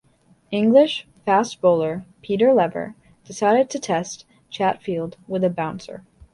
English fast bowler Peter Lever decided to test Chatfield with a bouncer.